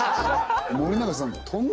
森永さん